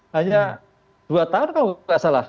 hanya dua tahun kalau tidak salah